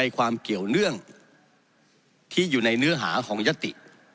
ความเกี่ยวเนื่องที่อยู่ในเนื้อหาของยติ